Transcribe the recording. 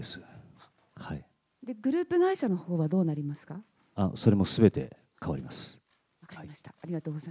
グループ会社のほうはどうなそれもすべて変わります。